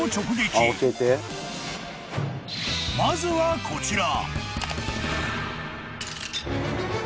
［まずはこちら］